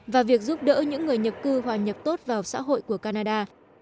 và việc giúp đỡ những người nhập cư hòa nhập tốt vào xã hội của canada